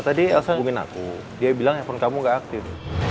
tadi ashubungin aku dia bilang handphone kamu gak aktif